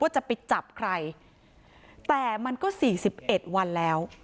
จะไปจับใครแต่มันก็สี่สิบเอ็ดวันแล้ว